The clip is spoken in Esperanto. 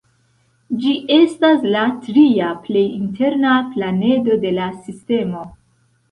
Ĝi estas la tria plej interna planedo de la sistemo.